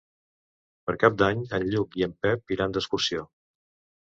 Per Cap d'Any en Lluc i en Pep iran d'excursió.